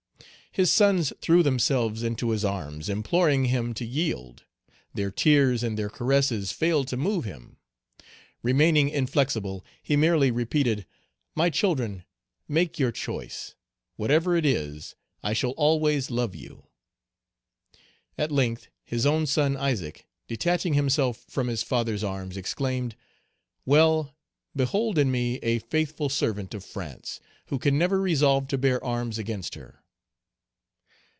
His sons threw themselves into his arms, imploring him to yield. Their tears and their caresses failed to move him. Remaining inflexible, he merely repeated, "My children, make your choice; whatever it is, I shall always love you." At length his own son Isaac, detaching himself from his father's Page 179 arms, exclaimed, "Well, behold in me a faithful servant of France, who can never resolve to bear arms against her."